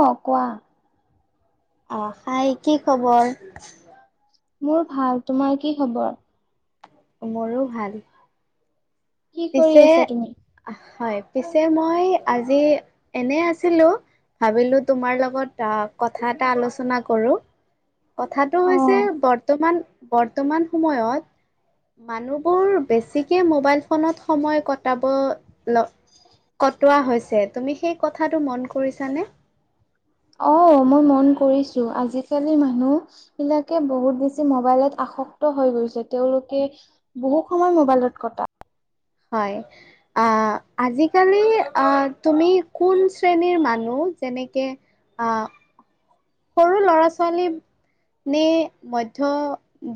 অ', কোৱা। অ', হাই কি খবৰ? মোৰ ভাল, তোমাৰ কি খবৰ? মোৰো ভাল, কি কৰি পিছে, আছা তুমি হয় পিছে মই আজি এনে আছিলো ভাবিলো তোমাৰ লগত অ' কথা এটা আলোচনা কৰোঁ। কথাটো অ হৈছে, বৰ্তমান-বৰ্তমান সময়ত মানুহবোৰ বেছিকে মোবাইল ফোনত সময় কটাব ল কটোৱা হৈছে, তুমি সেই কথাটো মন কৰিছানে? অ', মই মন কৰিছো, আজিকালি মানুহ বিলাকে বহুত বেছি ম'বাইলত আ সক্ত হৈ গৈছে, তেওঁলোকে বহু সময় মোবাইলত কটায় হয়, আ আজিকালি অ', তুমি কোন শ্ৰেণীৰ মানুহ যেনেকে আ সৰু ল'ৰা ছোৱালী নে মধ্য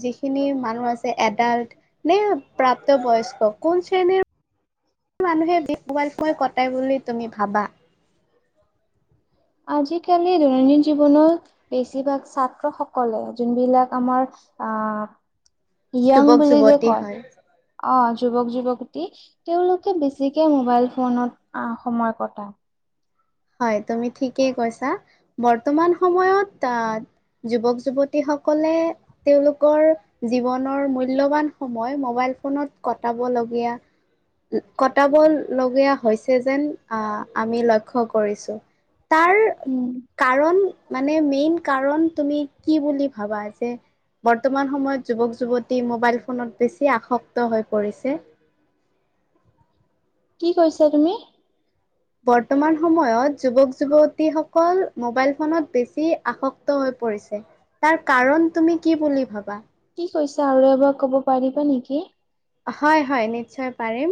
যিখিনি মানুহ আছে, এডাল্ট নে প্ৰাপ্ত বয়স্ক, কোন শ্ৰেণীৰ মানুহে [unintelligible] মোবাইল [unintelligible] কটায় বুলি তুমি ভাবা? আজিকালি দৈনন্দিন জীৱনত বেছিভাগ ছাত্ৰসকলে, যোনবিলাক আমাৰ অ'। য়ং যুৱক বুলি যে যুৱতী কয়, হয়, অ' যুৱক যুৱতী, তেওঁলোকে বেছিকে মোবাইল ফোনত সময় কটায়। হয়, তুমি ঠিকেই কৈছা, বৰ্তমান সময়ত যুৱক যুৱতী সকলে তেওঁলোকৰ জীৱনৰ মূল্যৱান সময় ম'বাইল ফোনত কটাব বলগীয়া-কটাবলীয়া হৈছে যেন আ, আমি লক্ষ্য ক্ষ কৰিছোঁ, তাৰ উম কাৰণ মানে মেইন কাৰণ তুমি কি বুলি ভাবা যে বৰ্তমান সময়ত যুৱক যুৱতী মোবাইল ফোনত বেছি আসক্ত হৈ পৰিছে। কি কৈছা তুমি? বৰ্তমান সময়ত যুৱক যুৱতীসকল মোবাইল ফোনত বেছি আসক্ত হৈ পৰিছে, তাৰ কাৰণ তুমি কি বুলি ভাবা? কি কৈছা আৰু এবাৰ ক'ব পাৰিবা নেকি? হয় হয়, নিশ্চয় পাৰিম।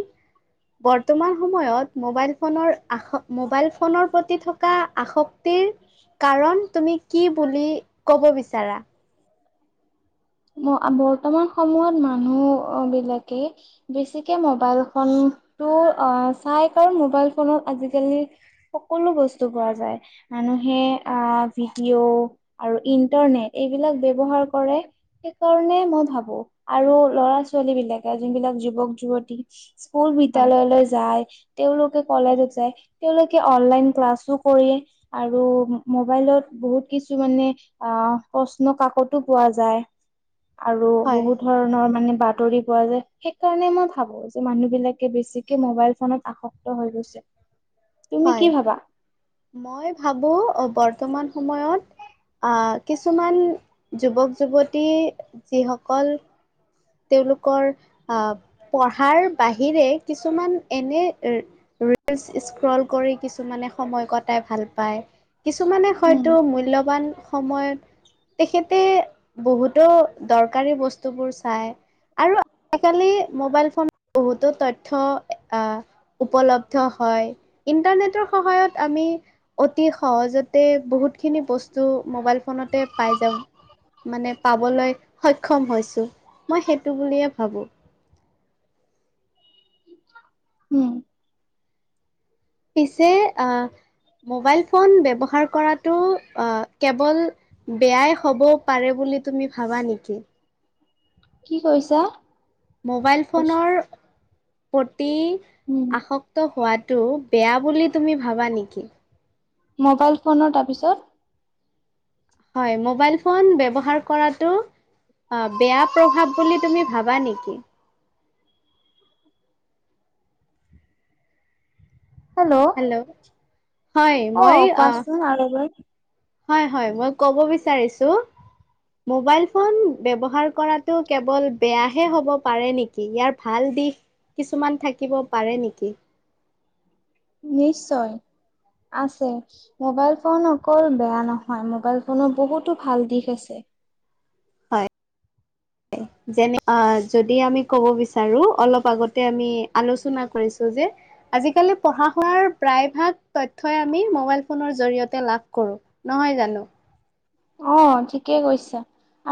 বৰ্তমান সময়ত মোবাইল ফোনৰ আস-মোবাইল ফোনৰ প্ৰতি থকা আসক্তি কি কাৰণ তুমি কি বুলি ক'ব বিচাৰা? বৰ্তমান সময়ত মানুহ বিলাকে বেছিকে মোবাইলখন তো অ' চাই কাৰ মোবাইল ফোনত আজিকালি সকলো বস্তু পোৱা যায়। মানুহে আহ ভিডিঅ' আৰু ইন্টাৰনেট এইবিলাক ব্যৱহাৰ কৰে। সেইকাৰণে মই ভাবোঁ আৰু ল'ৰা ছোৱালী বিলাকে যোন বিলাক যুৱক যুৱতী স্কুল হয় বিদ্যয়ালয়লৈ যায়। তেওঁলোকে হয় কলেজত যায়, তেওঁলোকে অনলাইন ক্লাছো কৰে আৰু মোবাইলত বহুত কিছু মানে অ' প্ৰশ্ন কাকতো পোৱা যায়। আৰু হয় বহুত ধৰণৰ মানে বাট আঁতৰি পোৱা যায়। সেইকাৰণে মই ভাবোঁ যে মানুহ বিলাকে বেছিকে মবাইল ফোনত আসক্ত হৈ গৈছে। তুমি হয়, কি ভাবা? মই ভাবোঁ বৰ্তমান সময়ত আহ কিছুমান যুৱক যুৱতী যিসকল তেওঁলোকৰ আহ পঢ়াৰ বাহিৰে কিছুমান এনে এ ৰীলচ স্ক্ৰল কৰি কিছুমানে সময় কটাই ভাল পায়। কিছুমানে উম হয়তো মূল্যৱান সময়ত তেখেতে বহুতো দৰকাৰী বস্তুবোৰ চায়। আৰু সেইকালি মোবাইল ফোন বহুতো তথ্য আহ উপলব্ধ হয়। ইণ্টাৰনেটৰ সহায়ত আমি অতি সহজতে বহুতখিনি বস্তু মোবাইল ফোনত টে পাই যাওঁ মানে পাবলৈ সক্ষম হৈছোঁ। মই সেইটো বুলিয়ে ভাবোঁ। উম। পিছে আহ। মোবাইল ফোন ব্যৱহাৰ কৰাতটো কেৱল বেয়াই হ'ব পাৰে বুলি বুলি তুমি ভাবা নেকি? কি কৈছা? মোবাইল ফোনৰ প্ৰতি উম আসক্ত হোৱাত টো বেয়া বুলি তুমি ভাবা নেকি? ম'বাইল ফোনৰ তাৰপিছত! হয় মোবাইল ফোন ব্যৱহাৰ কৰাটো অ বেয়া প্ৰভাৱ বুলি তুমি ভাবা নেকি? হেল্ল' হয় অ মই আহ কোৱাচোন আৰু এবাৰ। হয় হয় মই কব বিচাৰিছো। মোবাইল ফোন ব্যৱহাৰ কৰাটো কেৱল বেয়াহে হব পাৰে নেকি? ইয়াৰ ভাল। দিশ কিছুমান থাকিব পাৰে নেকি। নিশ্চয়। আছে মোবাইল ফোন অকল বেয়া নহয় মোবাইল ফোনৰ বহুতো ভাল দিশ আছে। হয়। যেনে অ যদি আমি কব বিচাৰো অলপ আগতে আমি আলোচনা কৰিছো যে আজিকালি পঢ়া শুনাৰ প্ৰায়ভাগ তথ্যই আমি মবাইল ফোনৰ জৰিয়তে লাভ কৰো নহয় জানো? [inaudible] [unintelligible] অ', ঠিকেই কৈছা।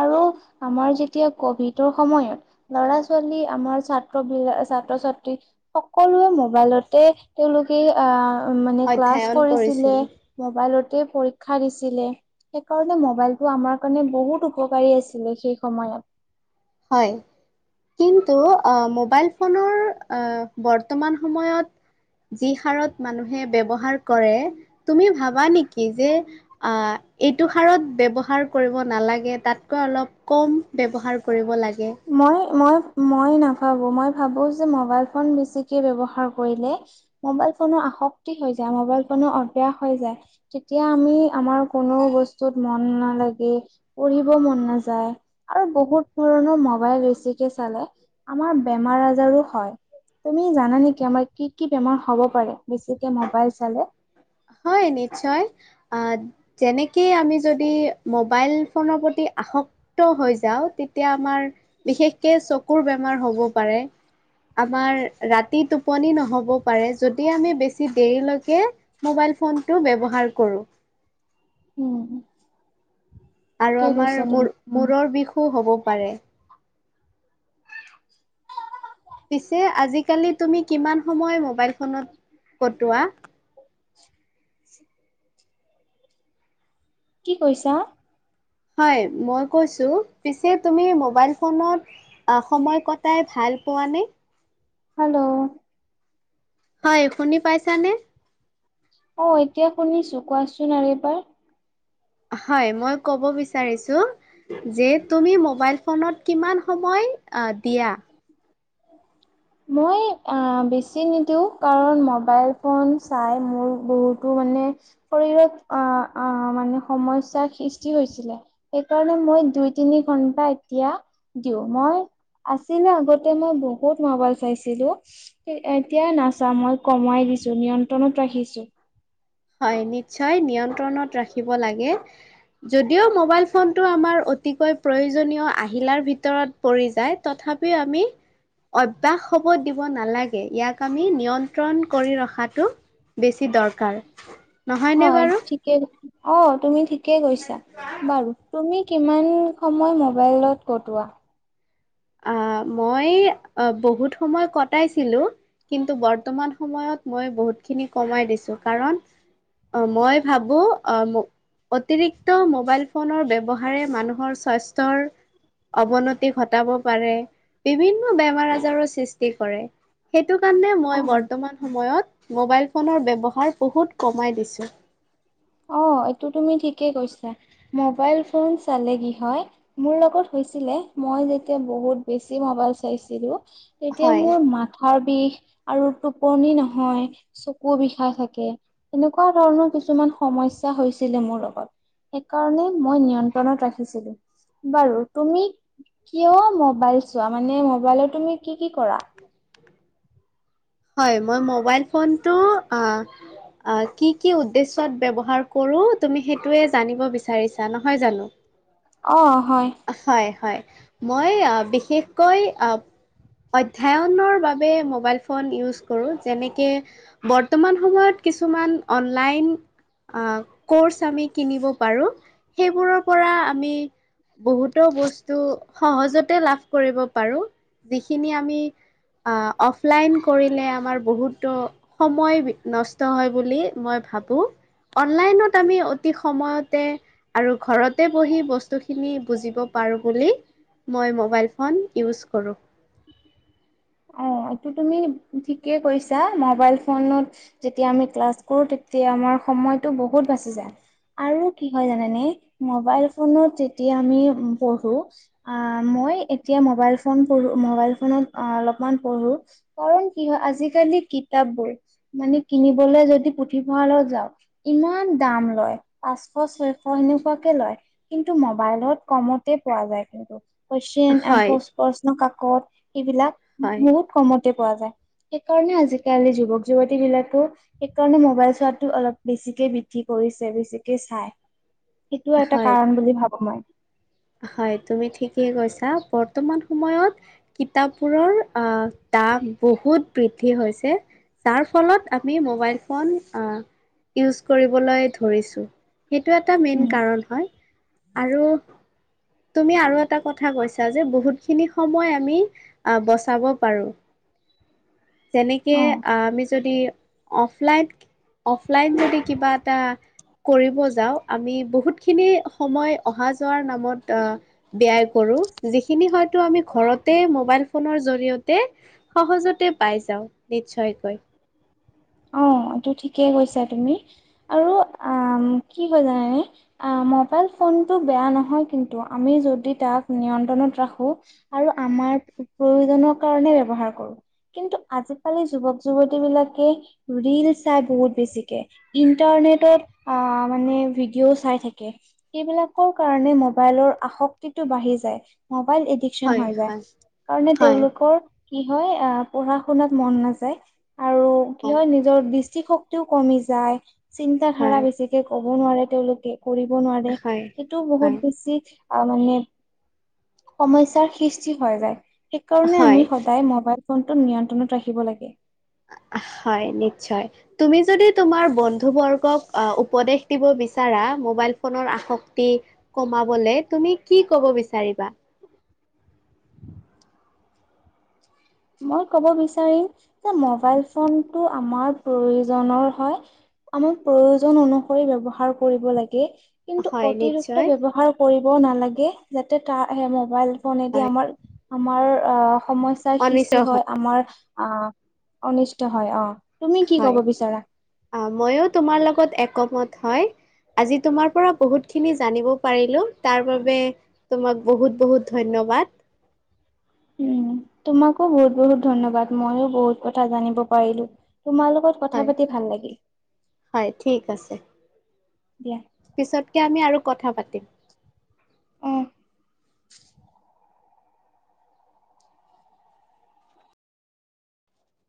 আৰু আমাৰ যেতিয়া ক'ভিডৰ সময়ত, ল'ৰা-ছোৱালী আমাৰ ছাত্ৰবিলাক-ছাত্ৰ [unintelligible] ছাত্ৰ-ছাত্ৰী, সকলোৱে মোবাইলতে, তেওঁলোকে আ মানে ক্লাছ অধ্যয়ন কৰিছিলে, কৰিছিল ম'বাইলতে পৰীক্ষা দিছিলে সেইকাৰণে ম'বাইলটো আমাৰ কাৰণে বহুত উপকাৰী আছিলে সেই সময়ত। হয়। কিন্তু অ মোবাইল ফোনৰ অ বৰ্তমান সময়ত যি হাৰত মানুহে ব্যৱহাৰ কৰে তুমি ভাবা নেকি যে আহ এইটো হাৰত ব্যৱহাৰ কৰিব নালাগে, তাতকৈ অলপ কম ব্যৱহাৰ কৰিব লাগ মই, মই মই নাভাবোঁ, মই ভাবোঁ যে মবাইল ফোন বেছিকে ব্যৱহাৰ কৰিলে, মবাইল ফোনৰ [inaudible] শক্তি হৈ যায়, মবাইল ফোনৰ অভ্যাস হৈ যায়। তেতিয়া আমি আমাৰ কোনো বস্তুত মন নালাগে, পঢ়িব মন নাযায় আৰু বহুত পুৰণা ম'ব ম'বাইল বেছিকে চালে আমাৰ বেমাৰ-আজাৰো হয়। তুমি জানা নেকি আমাৰ কি কি বেমাৰ হ'ব পাৰে বেছিকে ম'বাইল চালে? হয় নিশ্চয়, আ' যেনেকে আমি যদি ম'বাইল ফোনৰ প্ৰতি আসক্ আসক্ত হৈ যাওঁ, তেতিয়া আমাৰ বিশেষকে চকুৰ বেমাৰ হ'ব পাৰে। আমাৰ ৰাতি টোপনি নহ'ব পাৰে, যদি আমি বেছি দেৰিলৈকে ম'বাইল ফো ফোনটো ব্যৱহাৰ কৰোঁ। উম। আৰু কি আমাৰ কৈছা তুমি মূৰ-মূৰৰ বিষো হ'ব পাৰে। পিছে আজিকালি তুমি কিমান সময় ম'বাইল ফোনত কটোৱা? [inaudible] কি কৈছা? হয়, মই কৈছোঁ, পিছে তুমি ম'বাইল ফোনত সময় কটাই ভাল ভাল পোৱা নে? হেল্ল' হয়, শুনি পাইছানে? অ', এতিয়া শুনিছোঁ, কোৱাচোন আৰু এবাৰ। হয়, মই ক'ব বিচাৰিছোঁ, যে তুমি ম'বাইল ফোনত কিমান সময় অ' দিয়া? মই বেছি নিদিওঁ, কাৰণ ম'বাইল ফোন চাই মোৰ বহুতো মানে মানে শৰীৰত অ'-অ' মানে সমস্যাৰ সৃষ্টি হৈছিলে, সেইকাৰণে মই দুই তিনি ঘন্টা এতিয়া দিওঁ, মই আছিলে আগত আগতে মই বহুত ম'বাইল চাইছিলোঁ, এতিয়া নাচাওঁ, মই কমাই দিছোঁ, নিয়ন্ত্ৰণত ৰাখ ৰাখিছোঁ। হয় নিশ্চয়, নিয়ন্ত্ৰণত ৰাখিব লাগে, যদিও ম'বাইল ফোনটো আমাৰ অতিকৈ প্ৰয়োজনীয় আহিলাৰ ভিতৰত পৰি যায়, তথাপিও আমি অভ্যাস হ'ব দিব নালাগে, ইয়াক আমি নিয়ন্ত্ৰণ কৰি ৰখাটো বেছি দৰকাৰ। নহয়নে হয় বাৰু? ঠিকেই, অ', তুমি ঠিকেই কৈছা, বাৰু তুমি কিমান সময় ম'বাইলত কটোৱা? আ মই বহুত সময় কটাইছিলোঁ, কিন্তু বৰ্তমান সময়ত মই বহুত খিনি কমাই দিছোঁ, কাৰণ, অ' মই ভাৱোঁ, আ অতিৰিক্ত ম'বাইল ফোনৰ ব্যৱহাৰে মানুহৰ স্বাস্থ্যৰ অৱনতি ঘটাব পাৰে, বিভিন্ন বেমাৰ আজাৰো সৃষ্টি কৰে, সেই সেইটো কাৰণে মই অ বৰ্তমান সময়ত মোবাইল ফোনৰ ব্যৱহাৰ বহুত কমাই দিছোঁ। অ', এইটো তুমি ঠিকেই কৈছা। মবাইল ফোন চালে কি হয়, মোৰ লগত [inaudible] [unintelligible] মই যেতিয়া বহুত বেছি মবাইল চাইছিলো, তেতিয়া হয়। মোৰ মাথাৰ বিষ আৰু টোপনি নহয়, চকু বিষাই থাকে। এনেকুৱা ধৰণৰ কিছুমান সমস্যা হৈছিলে মোৰ লগত, সেইকাৰণে মই নিয়ন্ত্ৰণত ৰাখিছিলো। বাৰু তুমি কিয় মোবাইল চোৱা মানে, মবাইলত তুমি কি কি কৰা? হয় মই মোবাইল ফোনটো অ' অ কি কি উদ্দেশ্যত ব্যৱহাৰ কৰো তুমি সেইটোয়ে জানিব বিচাৰিছা নহয় জানো? অহ। হয় হয় মই বিশেষকৈ আহ অধ্যয়নৰ বাবে মোবাইল ফোন ইউজ কৰো যেনেকে বৰ্তমান সময়ত কিছুমান অনলাইন আহ কৰ্চ আমি কিনিব পাৰো সেইবোৰৰ পৰা আমি বহুতো বস্তু সহজতে লাভ কৰিব পাৰো যিখিনি আমি আ, অফলাইন কৰিলে আমাৰ বহুতো সময় বি, নষ্ট হয় বুলি মই ভাবোঁ, অনলাইনত আমি অতি সময়তে আৰু ঘৰতে বহি বস্তু খিনি বুজিব পাৰোঁ বুলি, মই মোবাইল ফোন ইউজ কৰোঁ। অ', এইটো তুমি ঠিকেই কৈছা মবাইল ফোনত যেতিয়া আমি ক্লাছ কৰোঁ, তেতিয়া আমাৰ [unintelligible] সময়তটো বহুত বাছি যায়। আৰু কি হয় জানানে? মোবাইল ফোনত যেতিয়া আমি পঢ়ো আ [inaudible] মই এতিয়া মোবাইল ফোন পঢ়ো, মোবাইল ফোনত অ-অলপ [unintelligible] পঢ়োঁ, কাৰণ কি হয় আজি কালি কিতপবোৰ মানে কিনিবলৈ যদি পুথি [unintelligible] যাওঁ ইমান দাম লয়, পাঁচশ ছয়শ হেনেকোৱাকে লয়। কিন্তু মবাইল লত কমতে পোৱা যায় কিন্তু। কোৱেইছন, অ' হয় প্ৰ-প্ৰশ্নকাকত এইবিলাক হয়, বহুত কমতে পোৱা যায়। সেইকাৰণে আজিকালি যুৱক যুৱতীবিলাকো, সেইকাৰণে মোবাইল চোৱাতো অলপ বেছিকে বৃদ্ধি কৰ বেছিকে চাই সেইটোও এটা হয়, কাৰণ বুলি ভাবো মই হয় তুমি ঠিকেই কৈছা প বৰ্তমান সময়ত কিতাপবোৰৰ আহ দাম বহুত বৃদ্ধি হৈছে যাৰ ফলত আমি মোবাইল ফোন ইউজ কৰিবলৈ ধৰিছোঁ সেইটো এটা মেইন উম, কাৰণ হয় আৰু তুমি আৰু এটা কথা কৈছা যে বহুতখিনি সময় আমি আহ বচাব পাৰো যেনেকে অ'। আমি যদি অফলাইন অফলাইন যদি কিবা এটা কৰিব যাওঁ আমি বহুতখিনি সময় অহা যোৱাৰ নামত ব্যায় কৰো যিখিনি সৈতো আমি ঘৰতেই মোবাইল ফোনৰ জৰিয়তে সহজতে পাই যাওঁ নিশ্চয়কৈ অ এইটো ঠিকে কৈছা তুমি আৰু আ কি হৈ জানা নে আ ম'বাইল ফোন টো বেয়া নহয় কিন্তু আমি যদি তাক নিয়ন্ত্ৰণত ৰাখো আৰু আমাৰ প্ৰয়োজনৰ কাৰণে ব্যৱহাৰ কৰো কিন্তু আজিকালি যুৱক যুৱতী বিলাকে ৰিল চাই বহুত বেছিকে ইণ্টাৰনেটত আ মানে ভিডিঅ' চাই থাকে এইবিলাকৰ কাৰণে মোবাইলৰ আসক্তিটো বাঢ়ি যায় মবাইল এডিকচন হয় হৈ যায় হয় কাৰণে হয় তেওঁলোকৰ কি হয় আহ পঢ়া শুনাত মন নাযায় আৰু কিয় হয় নিজৰ দৃষ্টিশক্তিও কমি যায় চিন্ত ধাৰা হয় বেছিকে কব নোৱাৰে তেওঁলোকে কৰিব নোৱাৰে হয় এইটো হয় বহুত বেছি আহ মানে সমস্যাৰ সৃষ্টি হয় যায় সেইকাৰণে হয় আমি সদায় মোবাইল ফোনটোত নিয়ন্ত্ৰণত ৰাখিব লাগে অ হয় নিশ্চয় তুমি যদি তোমাৰ বন্ধু বৰ্গক উপদেশ দিব বিচাৰা মোবাইল ফোনৰ আসক্তি কমাবলে তুমি কি ক'ব বিচাৰিবা? মই ক'ব বিচাৰিম যে মোবাইল ফোনটো আমাৰ প্ৰয়োজ হয়, আমাক প্ৰয়োজন অনুসৰি ব্যৱহাৰ কৰিব লাগে কিন্তু হয় নিশ্চয় অতিৰিক্ত ব্যৱহাৰ কৰিব নালাগে যাতে তাৰ মবাইল ফনেদি হয় আমাৰ আমাৰ অ সমস্যাৰ সৃষ্টি হয় আমাৰ অ অনিষ্ট হয় অ। তুমি কি হয় ক'ব বিচাৰা? অ মইও তোমাৰ লগত একমত হয়, আজি তোমাৰ পৰা বহুত খিনি জানিব পাৰিলো তাৰ বাবে তোমাক বহুত বহুত ধন্য বাদ। উ তোমাকো বহুত বহুত ধন্যবাদ মইও বহুত কথা জানিব পাৰিলো। তোমাৰ লগত কথা হয় পাতি ভাল লাগিল হয় ঠিক আছে দিয়া। পিছতকে আমি আৰু কথা পাতিম। অ। [unintelligible]